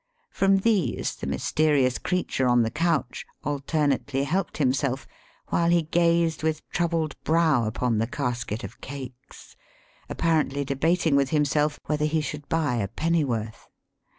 From these the mysterious creature on the couch alternately helped himself while he gazed with troubled brow upon the casket of cakes, apparently debating with himself whether he should buy a pennyworth.